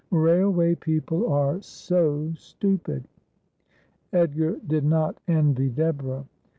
Rail way people are so stupid. Edgar did not envy Deborah.